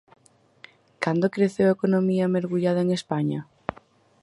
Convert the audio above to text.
¿Cando creceu a economía mergullada en España?